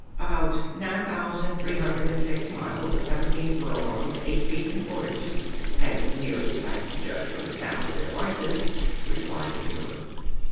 "About nine thousand three hundred and six miles, seventeen furlongs, eight feet and four inches as nearly as I can judge from the sound of their voices," replied the Hearer.